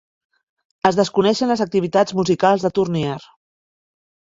Es desconeixen les activitats musicals de Tournier.